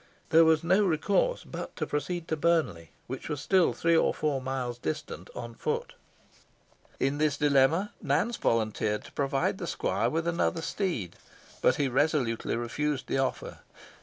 There was no resource but to proceed to Burnley, which was still three or four miles distant, on foot. In this dilemma, Nance volunteered to provide the squire with another steed, but he resolutely refused the offer.